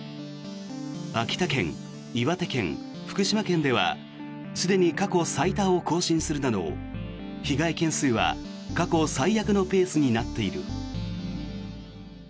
秋田県、岩手県、福島県ではすでに過去最多を更新するなど被害件数は過去最悪のペースになっている。